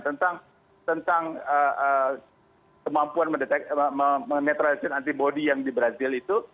tentang kemampuan menetralisir antibody yang di brazil itu